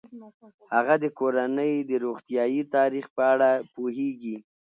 هغه د کورنۍ د روغتیايي تاریخ په اړه پوهیږي.